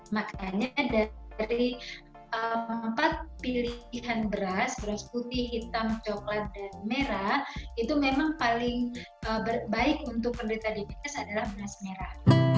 makanya dari empat pilihan beras beras putih hitam coklat dan merah itu memang paling baik untuk penderita diabetes adalah beras merah